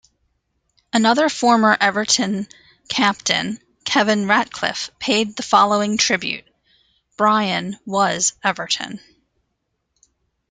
Another former Everton captain, Kevin Ratcliffe, paid the following tribute: Brian was Everton.